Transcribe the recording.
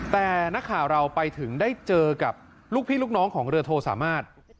แต่นักข่าวเราไปถึงได้เจอกับลูกพี่ลูกน้องของเรือโทสามารถ